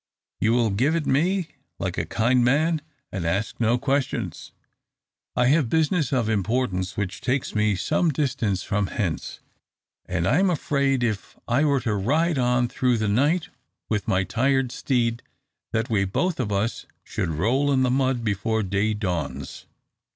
"You will give it me, like a kind man, and ask no questions. I have business of importance which takes me some distance from hence, and I'm afraid if I were to ride on through the night with my tired steed, that we both of us should roll in the mud before day dawns."